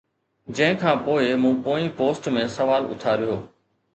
جنهن کان پوءِ مون پوئين پوسٽ ۾ سوال اٿاريو